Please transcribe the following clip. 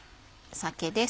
酒です。